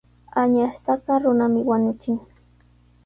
Añastaqa runami wañuchin.